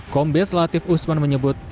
kombes latif usman menyebut